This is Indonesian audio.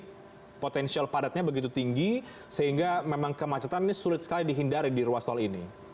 kalau memang tol jakarta cikampek ini potensial padatnya begitu tinggi sehingga memang kemacetan ini sulit sekali dihindari di ruas tol ini